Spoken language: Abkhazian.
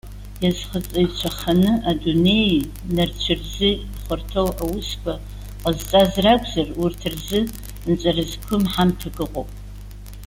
Иазхаҵаҩцәаханы адунеии нарцәи рзы ихәарҭоу аусқәа ҟазҵаз ракәзар, урҭ рзы нҵәара зқәым ҳамҭак ыҟоуп.